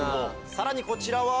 さらにこちら。